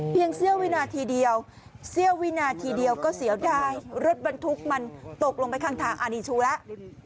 พี่ยังเซียววินาทีเดียวเซียววินาทีเดียวก็เสียวได้รถบรรทุกมันตกลงไปทางด้านข้องทางอ่านิจูแล้ว